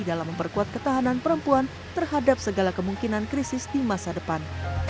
dalam memperkuat ketahanan perempuan terhadap segala kemungkinan krisis di masa depan